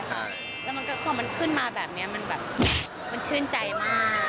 แล้วมันก็พอมันขึ้นมาแบบนี้มันแบบมันชื่นใจมาก